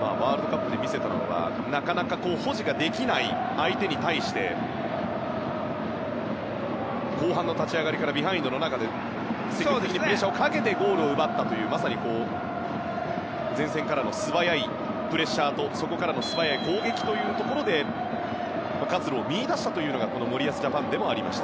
ワールドカップで見せたものはなかなか保持ができない相手に対して後半の立ち上がりからビハインドの中で積極的にプレッシャーをかけてゴールを奪ったというまさに、前線からの素早いプレッシャーとそこからの素早い攻撃というところで活路を見いだしたというのが森保ジャパンでもありました。